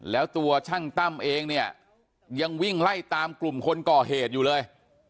แล้วตัวช่างตั้มเองเนี่ยยังวิ่งไล่ตามกลุ่มคนก่อเหตุอยู่เลย